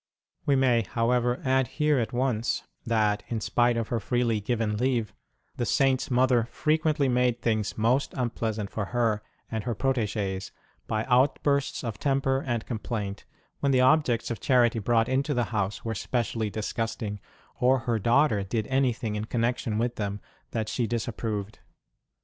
We may, however, add here at once that, in spite of her freely given leave, the Saint s mother frequently made things most unpleasant for her and her protegees by outbursts of temper and complaint when the objects of charity brought into the house were specially disgusting, or her daughter did anything in con nection with them that she disapproved.